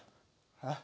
えっ？